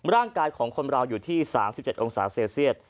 ร่างกายของคนเราอยู่ที่๓๗องศาเซลเซียต